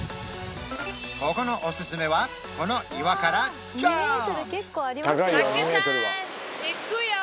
ここのおすすめはこの岩からジャンプ！